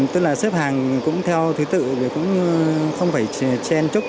tức là xếp hàng cũng theo thứ tự không phải chen chút